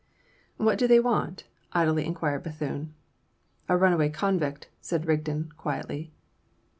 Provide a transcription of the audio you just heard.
"What do they want?" idly inquired Bethune. "A runaway convict," said Rigden, quietly.